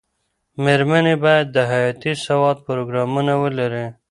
مېرمنې باید د حياتي سواد پروګرامونه ولري.